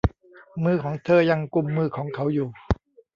มือของเธอยังกุมมือของเขาอยู่